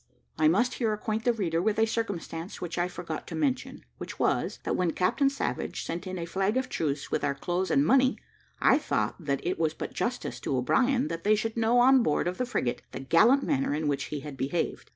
I must here acquaint the reader with a circumstance which I forgot to mention, which was, that when Captain Savage sent in a flag of truce with our clothes and money, I thought that it was but justice to O'Brien that they should know on board of the frigate the gallant manner in which he had behaved.